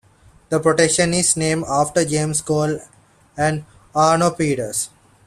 The projection is named after James Gall and Arno Peters.